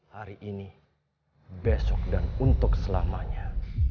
hari ini besok dan untuk selamanya